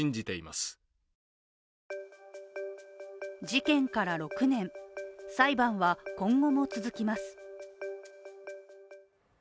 事件から６年、裁判は今後も続きます。